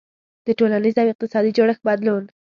• د ټولنیز او اقتصادي جوړښت بدلون.